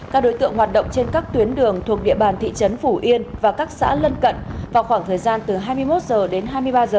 các đối tượng hoạt động trên các tuyến đường thuộc địa bàn thị trấn phủ yên và các xã lân cận vào khoảng thời gian từ hai mươi một h đến hai mươi ba h